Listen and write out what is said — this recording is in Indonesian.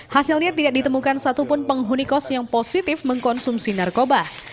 hasilnya tidak ditemukan satupun penghuni kos yang positif mengkonsumsi narkoba